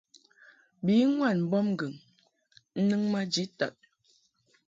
Bi ŋwad mbɔbŋgɨŋ nɨŋ maji tad.